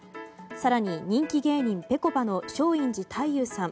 更に、人気芸人ぺこぱの松陰寺太勇さん